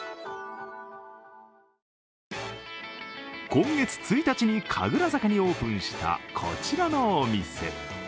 今月１日に神楽坂にオープンしたこちらのお店。